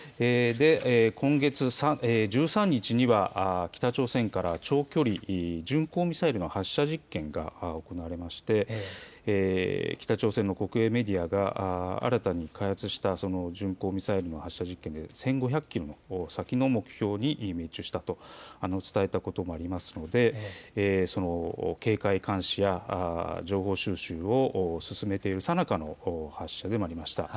今月１３日には北朝鮮から長距離巡航ミサイルの発射実験が行われまして北朝鮮の国営メディアが新たに開発した巡航ミサイルの発射実験、１５００キロ先の目標に命中したと伝えたこともありますのでその警戒監視や情報収集を進めているさなかの発射でもありました。